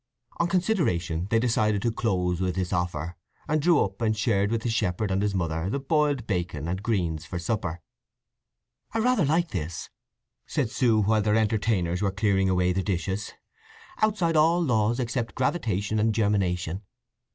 On consideration they decided to close with this offer, and drew up and shared with the shepherd and his mother the boiled bacon and greens for supper. "I rather like this," said Sue, while their entertainers were clearing away the dishes. "Outside all laws except gravitation and germination."